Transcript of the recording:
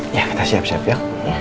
ya kita siap siap ya